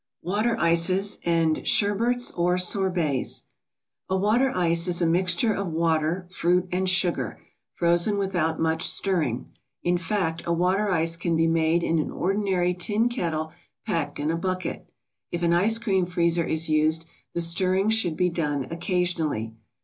WATER ICES AND SHERBETS OR SORBETS A water ice is a mixture of water, fruit and sugar, frozen without much stirring; in fact, a water ice can be made in an ordinary tin kettle packed in a bucket. If an ice cream freezer is used, the stirring should be done occasionally.